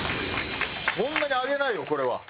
そんなにあげないよこれは。